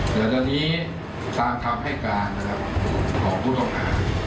แต่ตอนนี้ตามคำให้การนะครับของผู้ต้องหา